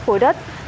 tại hà nội